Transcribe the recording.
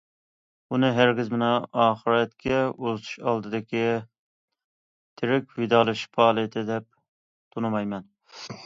ئۇنى ھەرگىز مېنى ئاخىرەتكە ئۇزىتىش ئالدىدىكى تىرىك ۋىدالىشىش پائالىيىتى، دەپ تونۇمايمەن.